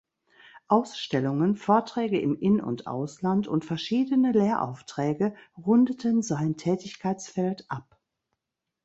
Ausstellungen, Vorträge im In- und Ausland und verschiedene Lehraufträge rundeten sein Tätigkeitsfeld ab.